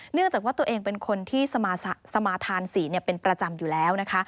เนื่องจากว่าตัวเองเป็นคนที่สมาธานศรีเป็นประจำอยู่แล้วนะคะ